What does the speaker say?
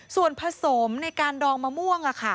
ส่วนผสมในการดองมะม่วง